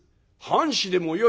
「半紙でもよい」。